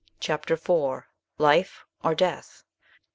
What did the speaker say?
Chapter IV LIFE? OR DEATH?